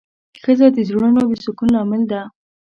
ښځه د زړونو د سکون لامل ده.